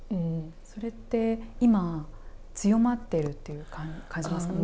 それって今強まってるっていうか感じますか。